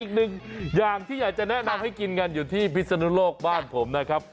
อีกหนึ่งอย่างที่อยากจะแนะนำให้กินกันอยู่ที่พิศนุโลกบ้านผมนะครับ